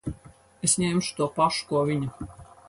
Es ņemšu to pašu, ko viņa.